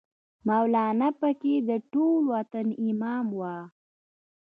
مولانا پکې د ټول وطن امام وای